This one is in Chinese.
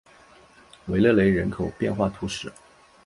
维勒雷人口变化图示